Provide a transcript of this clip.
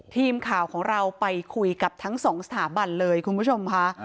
ทีมข่าวของเราไปคุยกับทั้งสองสถาบันเลยคุณผู้ชมค่ะ